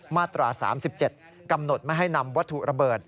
มาตรา๓๗กำหนดไม่ให้นำวัตถุระเบิด